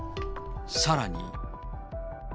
さらに。